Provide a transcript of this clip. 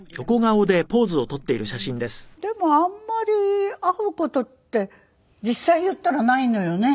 でもあんまり会う事って実際言ったらないのよね。